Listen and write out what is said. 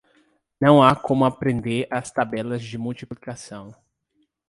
Não há como aprender as tabelas de multiplicação.